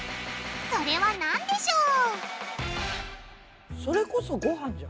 それはなんでしょう？